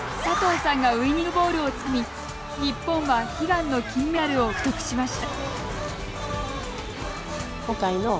佐藤さんがウイニングボールをつかみ日本は悲願の金メダルを獲得しました。